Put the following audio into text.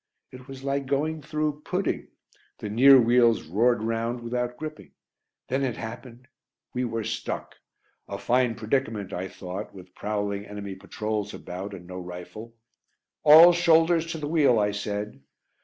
It was like going through pudding. The near wheels roared round without gripping. Then it happened! We were stuck! A fine predicament, I thought, with prowling enemy patrols about and no rifle. "All shoulders to the wheel," I said.